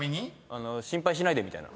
「心配しないで」みたいな。